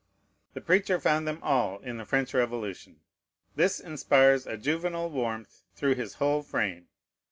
The preacher found them all in the French Revolution. This inspires a juvenile warmth through his whole frame.